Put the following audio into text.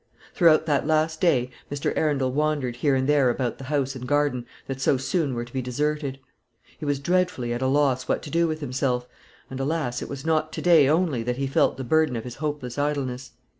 Throughout that last day Mr. Arundel wandered here and there about the house and garden that so soon were to be deserted. He was dreadfully at a loss what to do with himself, and, alas! it was not to day only that he felt the burden of his hopeless idleness.